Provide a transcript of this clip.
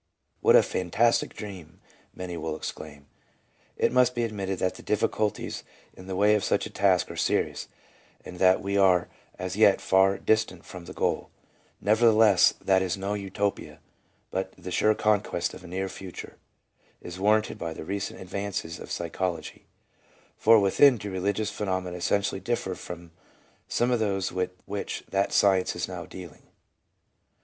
" What a fantastic dream!" many will exclaim. It must be admitted that the difficulties in the way of such a task are serious, and that we are as yet far distant from the goal ; nevertheless, that it is no Utopia, but the sure conquest of a near future, is warranted by the recent advances of psychology ; for, wherein do religious phenomena essentially differ from some of those with which that science is now dealing?